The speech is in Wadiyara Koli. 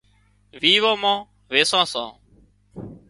ويوان مان ويسان سان